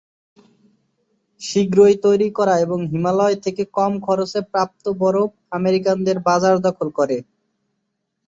শীঘ্রই তৈরি করা এবং হিমালয় থেকে কম খরচে প্রাপ্ত বরফ আমেরিকানদের বাজার দখল করে।